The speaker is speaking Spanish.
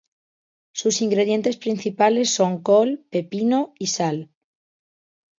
Sus ingredientes principales son col, pepino, y sal.